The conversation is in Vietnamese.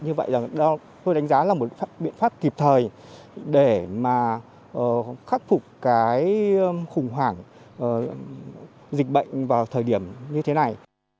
như vậy tôi đánh giá là một biện pháp kịp thời để mà khắc phục cái khủng hoảng dịch bệnh vào thời điểm như thế này